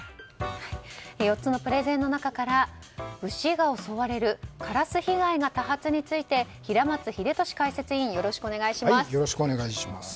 ４つのプレゼンの中から牛が襲われるカラス被害が多発について平松秀敏解説委員よろしくお願いします。